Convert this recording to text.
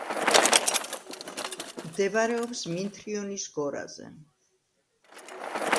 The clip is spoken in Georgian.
მდებარეობს მინთრიონის გორაზე.